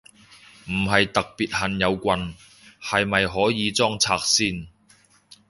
唔係特別恨有棍，係咪可以裝拆先？